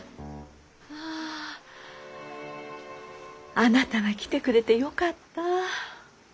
あなたが来てくれてよかった。